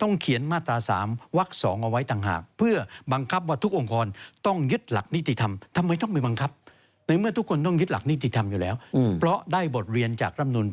ต้องเขียนมาตรา๓วัก๒เอาไว้ต่างหาก